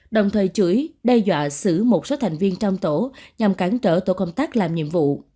đe dọa xử một số thành viên trong tổ nhằm cản trở tổ công tác làm nhiệm vụ